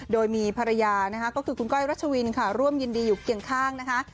โดยมีภรรยานะคะก็คือคุณก้อยรัชวินค่ะร่วมยินดีอยู่เคียงข้างนะคะ